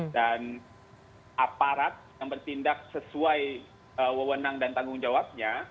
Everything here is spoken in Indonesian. dan aparat yang bertindak sesuai wewenang dan tanggung jawabnya